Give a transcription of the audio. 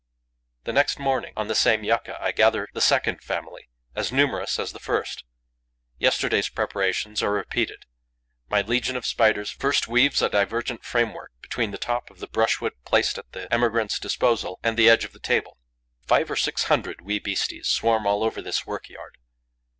The next morning, on the same yucca, I gather the second family, as numerous as the first. Yesterday's preparations are repeated. My legion of Spiders first weaves a divergent framework between the top of the brushwood placed at the emigrants' disposal and the edge of the table. Five or six hundred wee beasties swarm all over this work yard.